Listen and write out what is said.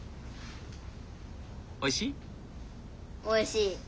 おいしい？